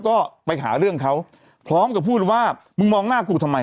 ก็ไปหาเรื่องเขาพร้อมกับพูดว่ามึงมองหน้ากูทำไม